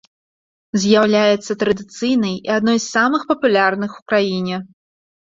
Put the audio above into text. З'яўляецца традыцыйнай і адной з самых папулярных у краіне.